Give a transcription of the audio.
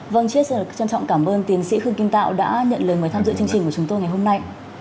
vâng chiết trân trọng cảm ơn tiến sĩ khương kim tạo đã nhận lời mời tham dự chương trình của chúng tôi ngày hôm nay